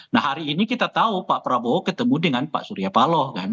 nah hari ini kita tahu pak prabowo ketemu dengan pak surya paloh kan